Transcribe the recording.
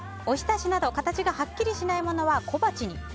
おひたしなど形がはっきりしないものは小鉢に。